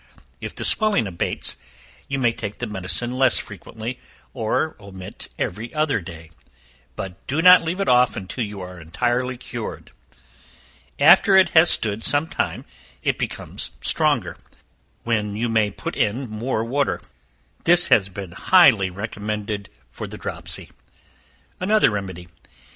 If the swelling abates, you may take the medicine less frequently, or omit every other day, but do not leave it off until you are entirely cured. After it has stood some time, it becomes stronger, when you may put in more water. This has been highly recommended for the dropsy. Another Remedy.